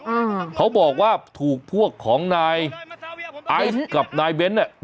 อ่าเขาบอกว่าถูกพวกของนายไอซ์กับนายเบ้นเนี่ย